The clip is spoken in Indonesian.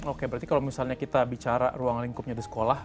oke berarti kalau misalnya kita bicara ruang lingkupnya di sekolah